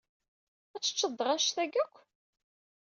Ad teččeḍ dɣa annect-agi akk?